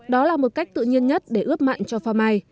đó là một cách tự nhiên nhất để ướp mặn cho pha mai